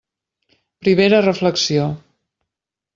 Primera reflexió.